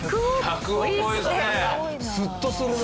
スッとするな。